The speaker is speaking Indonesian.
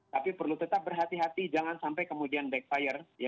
tapi perlu tetap berhati hati jangan sampai kemudian backfire